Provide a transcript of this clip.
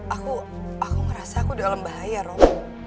aku aku ngerasa aku dalam bahaya rob